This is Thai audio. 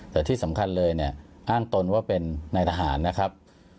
แต่ที่สำคัญเลยเนี่ยอ้างตนว่าเป็นนายทหารนะครับ